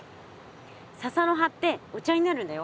笹の葉ってお茶になるんだよ。